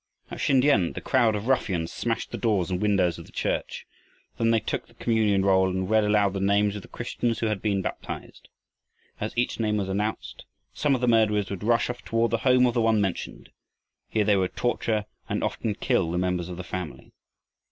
At Sin tiam the crowd of ruffians smashed the doors and windows of the church. Then they took the communion roll and read aloud the names of the Christians who had been baptized. As each name was announced, some of the murderers would rush off toward the home of the one mentioned. Here they would torture and often kill the members of the family.